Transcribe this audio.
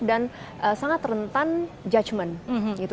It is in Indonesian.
dan sangat rentan judgement gitu